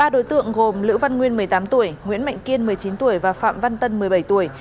ba đối tượng gồm lữ văn nguyên một mươi tám tuổi nguyễn mạnh kiên một mươi chín tuổi và phạm văn tân một mươi bảy tuổi